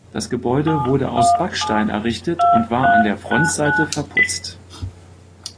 Das Gebäude wurde aus Backstein errichtet und war an der Frontseite verputzt.